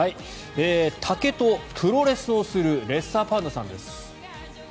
竹とプロレスをするレッサーパンダさんです。